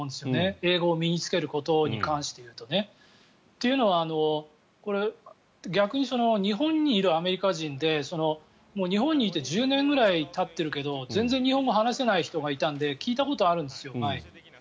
英語を身に着けることに関して言うとね。というのは逆に日本にいるアメリカ人で日本にいて１０年ぐらいたってるけど全然日本語を話せない人がいたので前に聞いたことがあるんですよ。